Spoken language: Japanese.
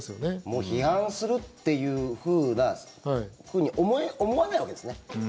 もう批判するというふうに思わないわけですね。